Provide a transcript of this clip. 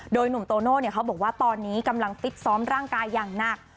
โดยหนุ่มโตโน่เขาบอกว่าตอนนี้กำลังฟิตซ้อมร่างกายอย่างหนัก